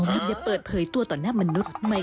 ความลับของแมวความลับของแมว